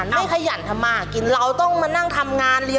ทำไมมีคนลืมลืมตื่นเนี่ย